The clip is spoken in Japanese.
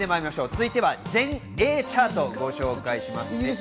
続いては全英チャートをご紹介します。